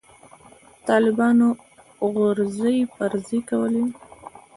طالبانو غورځې پرځې کولې.